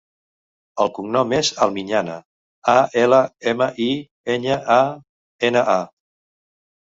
El cognom és Almiñana: a, ela, ema, i, enya, a, ena, a.